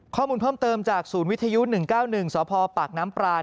ข้อมูลเพิ่มเติมจากศูนย์วิทยุ๑๙๑สพปากน้ำปลาน